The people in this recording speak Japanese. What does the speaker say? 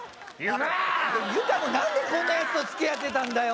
ユカも何でこんな奴と付き合ってたんだよ